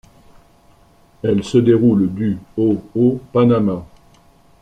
Elle se déroule du au au Panama.